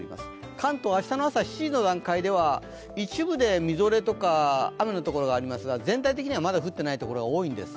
関東明日の朝７時の段階では一部で雨とかみぞれのところがありますが、全体的には、まだ降っていないところが多いんです。